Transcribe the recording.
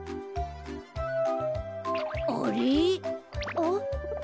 あっ。